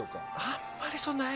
あんまり。